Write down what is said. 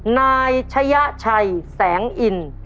นายชะยะชัยแสงอิน